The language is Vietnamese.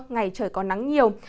ngày trời có nắng nhiều